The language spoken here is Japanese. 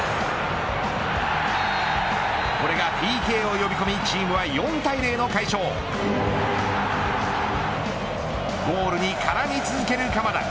これがＰＫを呼び込みチームは４対０の快勝ゴールにからみ続ける鎌田。